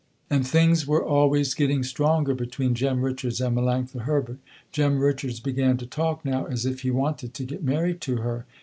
And things were always getting stronger between Jem Richards and Melanctha Herbert. Jem Richards began to talk now as if he wanted to get married to her.